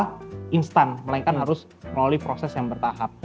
jadi tidak bisa instan melainkan harus melalui proses yang bertahap